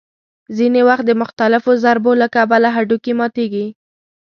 ځینې وخت د مختلفو ضربو له کبله هډوکي ماتېږي.